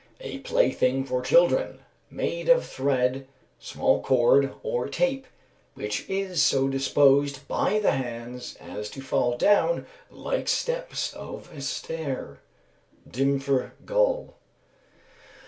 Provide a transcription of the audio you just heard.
_ A plaything for children, made of thread, small cord, or tape, which is so disposed by the hands as to fall down like steps of a stair (Dumfr., _Gall.